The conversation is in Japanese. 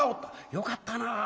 よかったな。